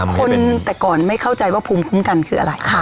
คนแต่ก่อนไม่เข้าใจว่าภูมิคุ้มกันคืออะไร